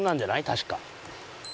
確か。